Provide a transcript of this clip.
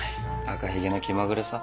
赤ひげの気まぐれさ。